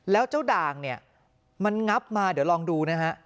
แล้วเจ้าด่างเนี่ยมันงับมาเดี๋ยวลองดูนะฮะ